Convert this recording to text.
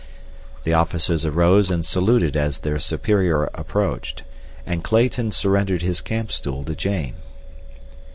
The officers arose and saluted as their superior approached, and Clayton surrendered his camp stool to Jane.